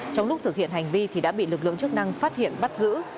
trong lúc thực hiện hành vi thì đã bị lực lượng chức năng phát hiện bắt giữ